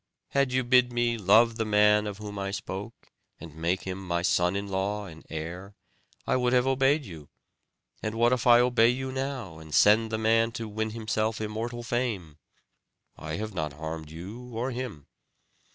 Had you bid me love the man of whom I spoke, and make him my son in law and heir, I would have obeyed you; and what if I obey you now, and send the man to win himself immortal fame? I have not harmed you, or him.